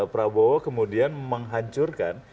prabowo kemudian menghancurkan